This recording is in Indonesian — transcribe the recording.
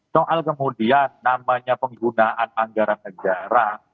soal kemudian namanya penggunaan anggaran negara